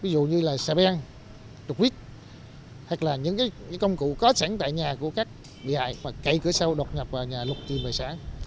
đây là xe bèn trục vít hay là những công cụ có sẵn tại nhà của các bị hại cậy cửa sâu đột nhập vào nhà lục tiền bài sản